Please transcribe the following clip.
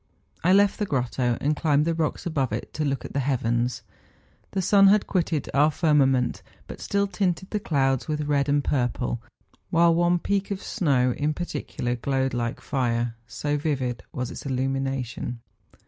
I left the grotto, and climbed the rocks above it to look at the heavens. The sun had quitted our fir¬ mament, but still tinted the clouds with red and purple, while one peak of snow in particular glowed like fire, so vivid was its illumination.